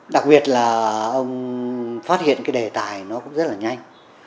đặc biệt là ông phát hiện cái đề tài nó cũng rất là nhanh